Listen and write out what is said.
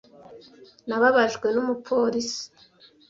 Nababajwe n'umupolisi.